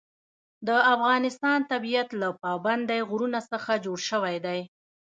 د افغانستان طبیعت له پابندی غرونه څخه جوړ شوی دی.